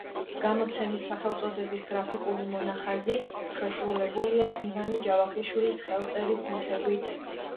გამოცემის სახელწოდების გრაფიკული მონახაზი შესრულებულია ივანე ჯავახიშვილის ხელწერის მიხედვით.